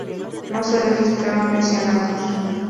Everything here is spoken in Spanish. No se registraron lesionados.